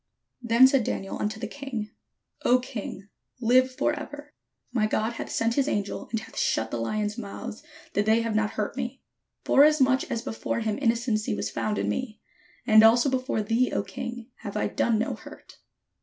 " Then said Daniel unto the king: "0 king, live for 507 MESOPOTAMIA ever. My God hath sent his angel, and hath shut the lions' mouths, that they have not hurt me: forasmuch as before him innocency was found in me ; and also before thee, O king, have I done no hurt."